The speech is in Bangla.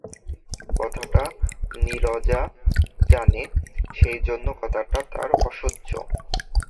কথাটা নীরজা জানে, সেইজন্যে কথাটা তার অসহ্য।